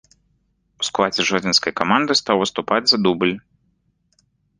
У складзе жодзінскай каманды стаў выступаць за дубль.